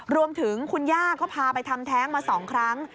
รวมถึงคุณย่าก็พาไปทำแท้งมา๒ครั้ง